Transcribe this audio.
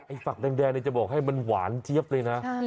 ฝักแดงจะบอกให้มันหวานเจี๊ยบเลยนะ